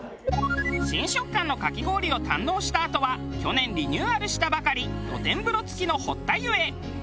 新食感のかき氷を堪能したあとは去年リニューアルしたばかり露天風呂付きの堀田湯へ。